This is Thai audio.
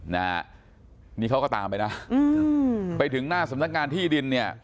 นะฮะนี่เขาก็ตามไปนะอืมไปถึงหน้าสำนักงานที่ดินเนี่ย